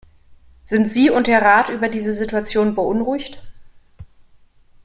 Sind Sie und der Rat über diese Situation beunruhigt?